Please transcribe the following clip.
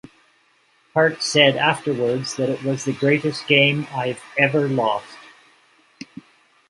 Part said afterwards that it was "the greatest game I've ever lost!".